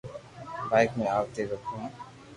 ڀآٺڪ مي اوني راکو ھون